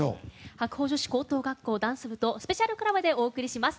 白鵬女子高等学校ダンス部とスペシャルコラボでお送りします。